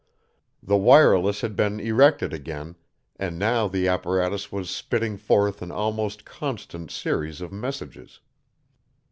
The wireless had been erected again, and now the apparatus was spitting forth an almost constant series of messages.